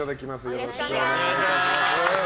よろしくお願いします。